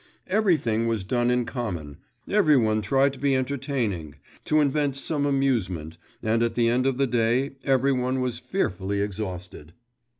Everything was done in common, every one tried to be entertaining, to invent some amusement, and at the end of the day every one was fearfully exhausted.